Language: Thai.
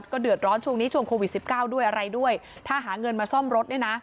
เดือดร้อนช่วงนี้ช่วงโควิดสิบเก้าด้วยอะไรด้วยถ้าหาเงินมาซ่อมรถเนี่ยนะ